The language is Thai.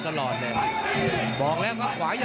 ต้องออกครับอาวุธต้องขยันด้วย